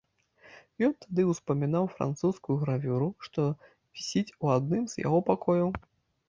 Ён тады ўспамінаў французскую гравюру, што вісіць у адным з яго пакояў.